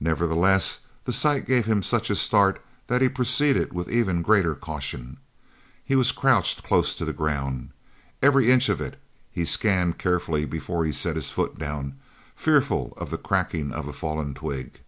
Nevertheless the sight gave him such a start that he proceeded with even greater caution. He was crouched close to the ground. Every inch of it he scanned carefully before he set down a foot, fearful of the cracking of a fallen twig.